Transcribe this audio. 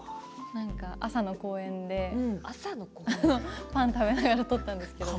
朝の公園でパンを食べながら撮ったんですけれど。